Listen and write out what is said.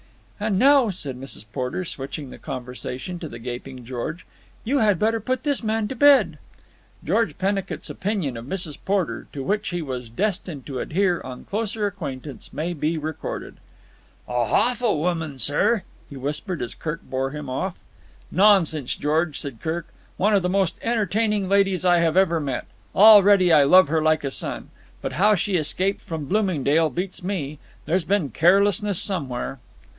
"And now," said Mrs. Porter, switching the conversation to the gaping George, "you had better put this man to bed." George Pennicut's opinion of Mrs. Porter, to which he was destined to adhere on closer acquaintance, may be recorded. "A hawful woman, sir," he whispered as Kirk bore him off. "Nonsense, George," said Kirk. "One of the most entertaining ladies I have ever met. Already I love her like a son. But how she escaped from Bloomingdale beats me. There's been carelessness somewhere."